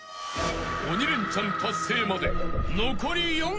［鬼レンチャン達成まで残り４曲］